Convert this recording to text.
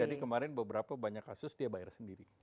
jadi kemarin beberapa banyak kasus dia bayar sendiri